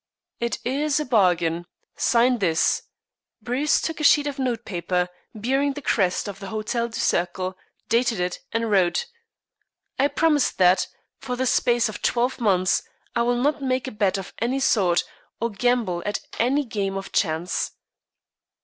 "It is a bargain. Sign this." Bruce took a sheet of notepaper, bearing the crest of the Hotel du Cercle, dated it, and wrote: "I promise that, for the space of twelve months, I will not make a bet of any sort, or gamble at any game of chance."